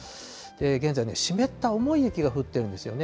現在、湿った重い雪が降ってるんですよね。